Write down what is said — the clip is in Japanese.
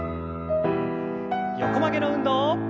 横曲げの運動。